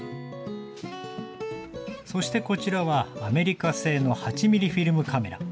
そしてこちらは、アメリカ製の８ミリフィルムカメラ。